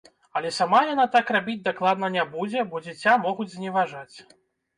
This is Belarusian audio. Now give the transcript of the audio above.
Але сама яна так рабіць дакладна не будзе, бо дзіця могуць зневажаць.